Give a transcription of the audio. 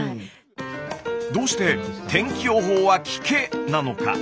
どうして「天気予報は聞け！」なのか。